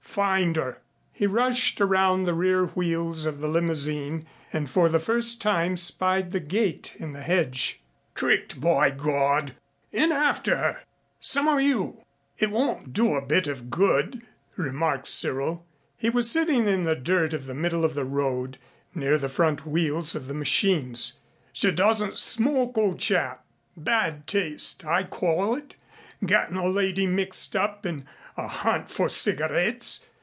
Find her." He rushed around the rear wheels of the limousine and for the first time spied the gate in the hedge. "Tricked, by God! In after her, some of you." "It won't do a bit of good," remarked Cyril. He was sitting in the dirt of the middle of the road near the front wheels of the machines. "She doesn't smoke, o' chap. Bad taste, I call it, gettin' a lady mixed up in a hunt for cigarettes.